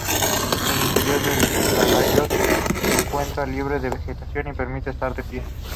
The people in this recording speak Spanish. El interior del talayot se encuentra libre de vegetación y permite estar de pie.